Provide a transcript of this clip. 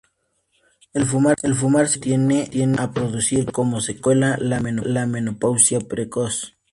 El fumar cigarrillos tiende a producir como secuela, la menopausia precoz.